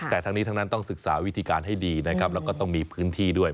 แต่ทั้งนี้ทั้งนั้นต้องศึกษาวิธีการให้ดีนะครับแล้วก็ต้องมีพื้นที่ด้วย